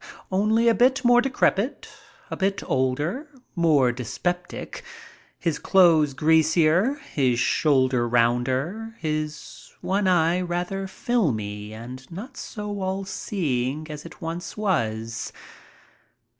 Only a bit more decrepit, a bit older, more dyspeptic, his clothes greasier, his shoulder rounder, his one eye rather filmy and not so all seeing as it once was.